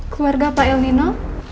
keluarga pak el nino